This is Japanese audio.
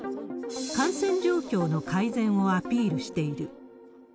感染状況の改善をアピールしている。